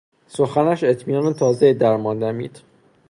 سخنش اطمینان تازهای در ما دمید.